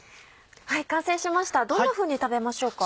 完成しましたどんなふうに食べましょうか？